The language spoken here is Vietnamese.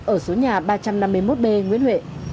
ở số nhà ba trăm năm mươi một b nguyễn huệ